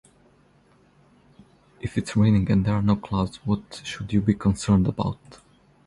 If it's raining and there are no clouds, what should you be concerned about?